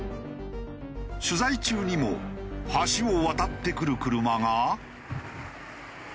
取材中にも橋を渡ってくる車が。